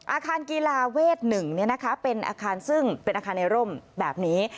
อาคารกีฬาเวท๑เป็นอาคารในร่มแบบนี้